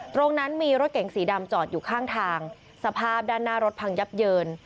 ตรงนั้นมีรถเก๋งสีดำจอดอยู่ข้างทางสภาพด้านหน้ารถพังยับเยิน